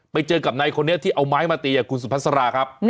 ไปเจอกับนายคนนี้ที่เอาไม้มาตีคุณสุพัสราครับ